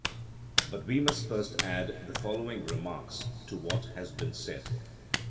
But we must first add the following remarks to what has been said.